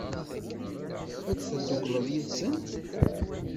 Ad teddukleḍ yid-sent?